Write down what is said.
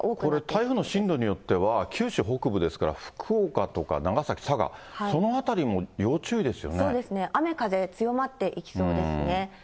これ、台風の進路によっては、九州北部ですから、福岡とか長崎、佐賀、そうですね、雨風強まっていきそうですね。